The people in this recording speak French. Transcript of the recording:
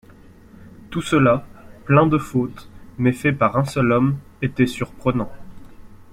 Tout cela, plein de fautes, mais fait par un seul homme, était surprenant.